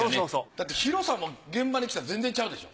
だって広さも現場に来たら全然ちゃうでしょ。